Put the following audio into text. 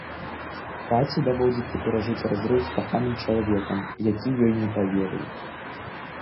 Каці даводзіцца перажыць разрыў з каханым чалавекам, які ёй не паверыў.